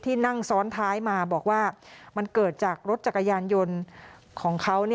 นั่งซ้อนท้ายมาบอกว่ามันเกิดจากรถจักรยานยนต์ของเขา